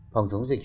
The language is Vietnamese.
phòng chống dịch